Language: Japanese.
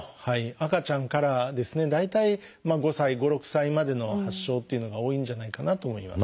赤ちゃんからですね大体５６歳までの発症っていうのが多いんじゃないかなと思います。